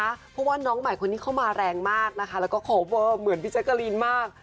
เพราะว่าน้องใหม่คนนี้เข้ามาแรงมากนะคะแล้วก็โคเวอร์เหมือนพี่แจ๊กกะลีนมาก